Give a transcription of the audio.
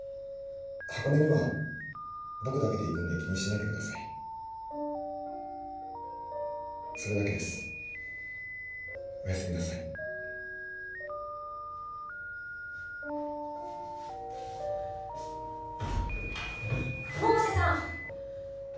箱根には僕だけで行くんで気にしないでくださいそれだけですおやすみなさい百瀬さん！